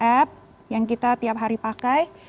ada whatsapp yang kita tiap hari pakai